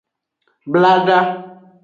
Blada.